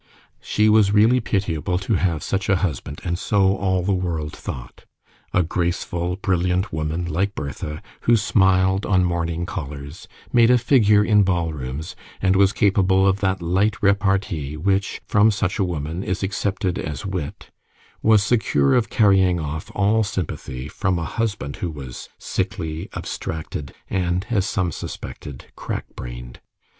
She was really pitiable to have such a husband, and so all the world thought. A graceful, brilliant woman, like Bertha, who smiled on morning callers, made a figure in ball rooms, and was capable of that light repartee which, from such a woman, is accepted as wit, was secure of carrying off all sympathy from a husband who was sickly, abstracted, and, as some suspected, crack brained.